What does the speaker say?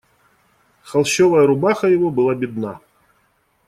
Холщовая рубаха его была бедна.